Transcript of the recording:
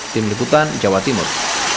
tim liputan jawa timur